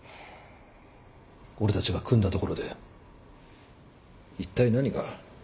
俺たちが組んだところでいったい何が。